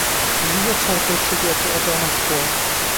In dieser Zeit wechselte er zu Adanaspor.